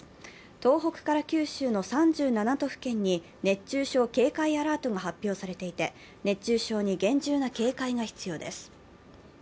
東北から九州の３７都府県に熱中症警戒アラートが発表されていて、熱中症に厳重な警戒が必要です。